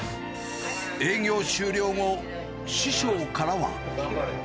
営業終了後、師匠からは。